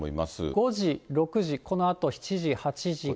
５時、６時、このあと７時、８時、９時。